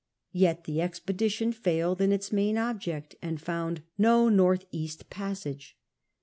Yet the expedition failed in its main object and found no north east passage.